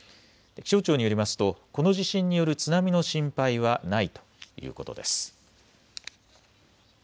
気象庁によりますとこの地震による津波の心配はないということです。